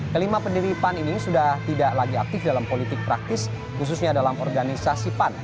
kelima pendiri pan ini sudah tidak lagi aktif dalam politik praktis khususnya dalam organisasi pan